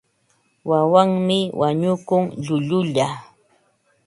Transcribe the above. Wawanmi wañukun llullulla.